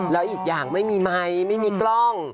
แล้วอีกอย่างไม่มีไมค์ไม่มีกล้อง